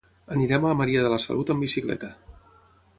Anirem a Maria de la Salut amb bicicleta.